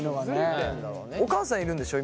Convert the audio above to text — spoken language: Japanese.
お母さんいるんでしょう？